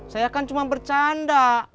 saya kan cuma bercanda